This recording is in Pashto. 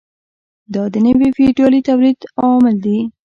دا د نوي فیوډالي تولید عوامل وو.